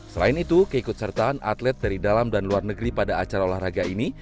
selain itu keikut sertaan atlet dari dalam dan luar negeri pada acara olahraga ini